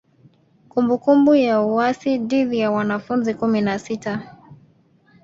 Kumbukumbu ya uasi dhidi ya wanafunzi kumi na sita